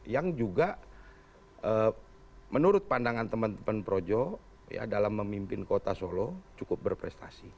yang juga menurut pandangan teman teman projo dalam memimpin kota solo cukup berprestasi